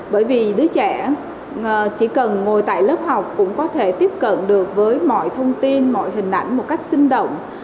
bởi vì đứa trẻ chỉ cần ngồi tại lớp học cũng có thể tiếp cận được với mọi thông tin mọi hình ảnh một cách sinh động